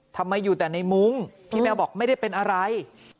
ทำไมอยู่แต่ในมุ้งพี่แมวบอกไม่ได้เป็นอะไร